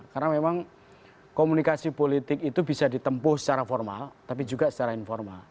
karena memang komunikasi politik itu bisa ditempuh secara formal tapi juga secara informal